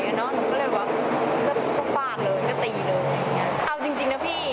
หนูก็เลยแบบก็ฟาดเลยก็ตีเลยเอาจริงจริงนะพี่